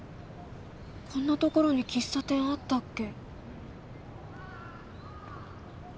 こんな所に喫茶店あったっけ？